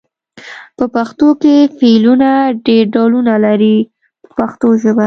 په پښتو کې فعلونه ډېر ډولونه لري په پښتو ژبه.